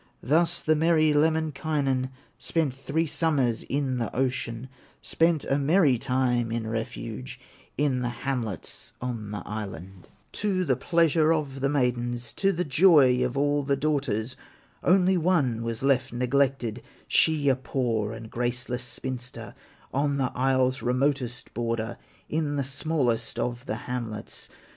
Thus the merry Lemminkainen Spent three summers in the ocean, Spent a merry time in refuge, In the hamlets on the island, To the pleasure of the maidens, To the joy of all the daughters; Only one was left neglected, She a poor and graceless spinster, On the isle's remotest border, In the smallest of the hamlets.